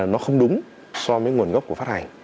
nó không đúng so với nguồn gốc của phát hành